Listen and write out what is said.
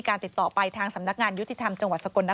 โปรดติดตามต่างกรรมโปรดติดตามต่างกรรม